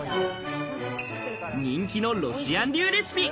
人気のロシアン流レシピ。